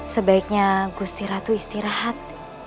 sebaiknya kusiratu istirahat